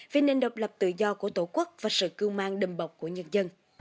vì nền độc lập tự do của tổ quốc và sự cưu mang đầm bọc của nhân dân